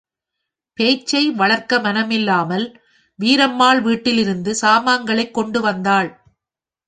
பேச்சை வளர்க்க மனமில்லாமல், வீரம்மாள் வீட்டிலிருந்து சாமான்களைக் கொண்டு வந்தாள்.